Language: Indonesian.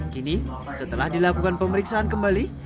kini setelah dilakukan pemeriksaan kembali